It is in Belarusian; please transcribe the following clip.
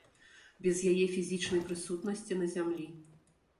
Без яе фізічнай прысутнасці на зямлі.